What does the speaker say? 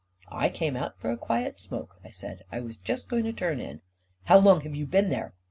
" I came out for a quiet smoke," I said. " I was just going to turn in." " How long have you been here